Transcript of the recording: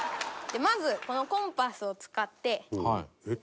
まずこのコンパスを使って。